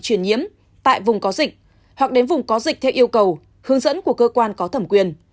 chuyển nhiễm tại vùng có dịch hoặc đến vùng có dịch theo yêu cầu hướng dẫn của cơ quan có thẩm quyền